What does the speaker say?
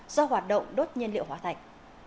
do hoạt động đốt nhiên liệu hóa thạch